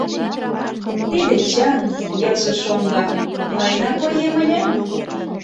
— Тиде чын, — келшыш шоҥго, — мыйынак оем ыле?